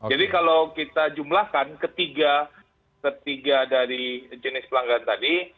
jadi kalau kita jumlakan ketiga dari jenis pelanggaran tadi